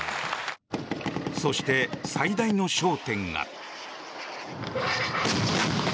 そして、最大の焦点が。